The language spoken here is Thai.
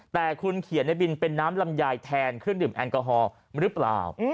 แต่คุณเขียนในบินเป็นน้ำลำไยแทนเครื่องดื่มแอลกอฮอล์หรือเปล่า